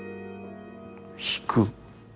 引く。